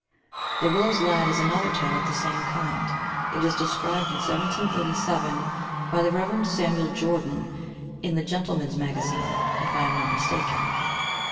] The Willow lad's is another tale of the same kind. It was described in 1787 by the Reverend Samuel Jordan in the Gentleman's Magazine, if I am not mistaken.